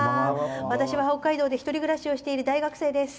私は北海道で１人暮らしをしている大学生です。